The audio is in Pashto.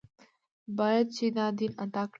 باید چې دا دین ادا کړي.